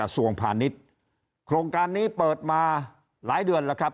สวัสดีค่ะ